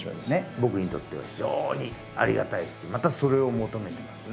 僕にとっては非常にありがたいしまたそれを求めてますね。